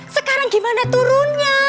sekarang gimana turunnya